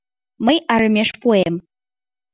— Мый арымеш пуэм.